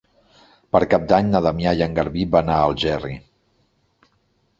Per Cap d'Any na Damià i en Garbí van a Algerri.